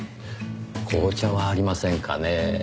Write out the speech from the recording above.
紅茶はありませんかねぇ？